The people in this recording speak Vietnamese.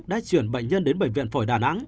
đã chuyển bệnh nhân đến bệnh viện phổi đà nẵng